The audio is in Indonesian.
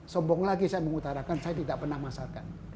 sombong lagi saya mengutarakan saya tidak pernah masarkan